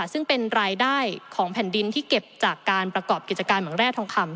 ซึ่งเป็นรายได้ของแผ่นดินที่เก็บจากการประกอบกิจการเหมืองแร่ทองคำ